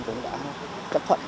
cũng đã cấp thuận